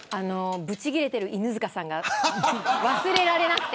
ぶち切れてる犬塚さんが忘れられなくて。